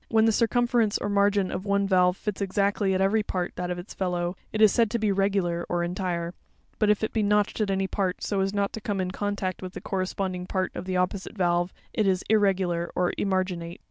When the circumference or margin of one valve fits exactly, at every part, that of its fellow, it is said to be "regular" or "entire ;" but if it be notched at any part, so as not to come PARTS OF BIVALVE SHELLS. 99 in contact with the corresponding part of the opposite valve, it 1s "irregular," or emarginate.